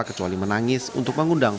kecuali menangis untuk mengundang